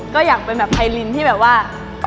ก็อยากเป็นแบบไพรินที่แบบว่า